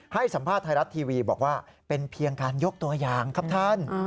ให้สัมภาษณ์ไทยรัฐทีวีบอกว่าเป็นเพียงการยกตัวอย่างครับท่าน